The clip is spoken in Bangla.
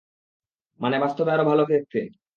মানে, বাস্তবে আরো ভালো দেখতে।